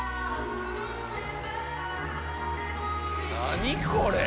何これ⁉